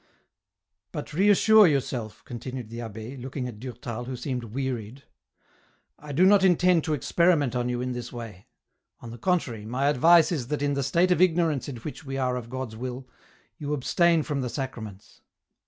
" But reassure yourself," continued the abbe, looking at Durtal, who seemed wearied, " I do not intend to experiment on you in this way ; on the contrary, my advice is that in the state of ignorance in which we are of God's will, you abstain from the Sacraments.